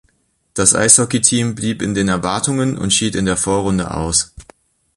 Das Eishockey-Team blieb in den Erwartungen und schied in der Vorrunde aus.